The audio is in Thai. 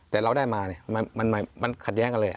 แต่เราได้มาเนี่ยมันขัดแย้งกันเลย